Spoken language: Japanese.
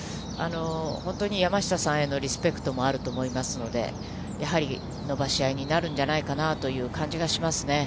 本当に山下さんへのリスペクトもあると思いますので、やはり伸ばし合いになるんじゃないかなという感じがしますね。